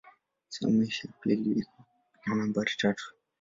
Sehemu ya pili iko na nambari tatu.